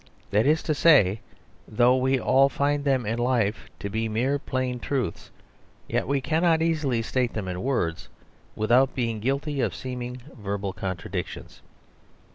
That is to say, that though we all find them in life to be mere plain truths, yet we cannot easily state them in words without being guilty of seeming verbal contradictions.